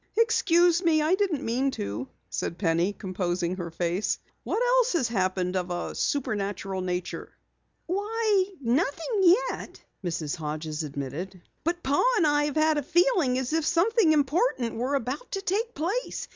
"Excuse me, I didn't mean to," said Penny, composing her face. "What else has happened of a supernatural nature?" "Why, nothing yet," Mrs. Hodges admitted. "But Pa and I have had a feeling as if something important were about to take place.